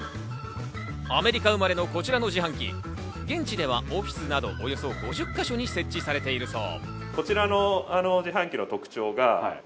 アメリカ生まれのこちらの自販機、現地ではオフィスなどおよそ５０か所に設置されているそう。